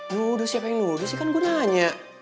nudu siapa yang nudu sih kan gue nanya